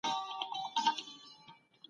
ایا مسلکي کسانو په اقتصاد کي برخه درلوده؟